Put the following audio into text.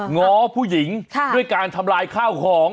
ง้อผู้หญิงด้วยการทำลายข้าวของ